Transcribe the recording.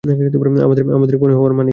আমাদের কণে হওয়ার মানে কি?